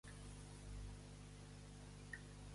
Al "Telediario" què hi ha de nou m'ho pots dir?